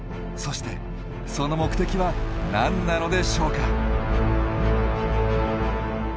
そしてその目的は何なのでしょうか？